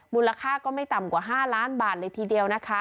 มูลค่าก็ไม่ต่ำกว่า๕ล้านบาทเลยทีเดียวนะคะ